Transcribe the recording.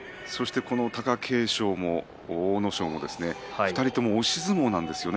そして、この貴景勝も阿武咲も２人とも押し相撲なんですよね。